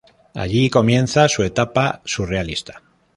Allí comienza su etapa surrealista.